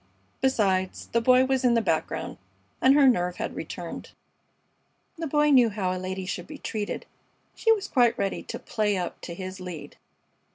Besides, the Boy was in the background, and her nerve had returned. The Boy knew how a lady should be treated. She was quite ready to "play up" to his lead.